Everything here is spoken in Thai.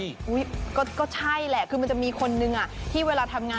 ต้องพูดแค่ผมก็ใช่ครั้ยมันจะมีคนนึงที่เวลาทำงาน